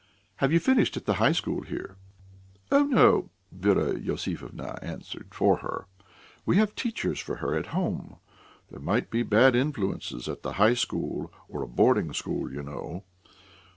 "Have you finished at the high school here?" "Oh, no," Vera Iosifovna answered for her, "We have teachers for her at home; there might be bad influences at the high school or a boarding school, you know.